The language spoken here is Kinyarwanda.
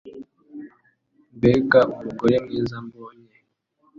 Mbega umugore mwiza mbonye